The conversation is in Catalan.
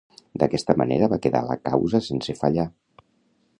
D'aquesta manera va quedar la causa sense fallar.